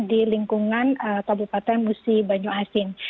di lingkungan kabupaten musi banyu asin